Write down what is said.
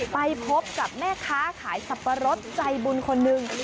ไปพบกับแม่ค้าขายสับปะรดใจบุญคนหนึ่ง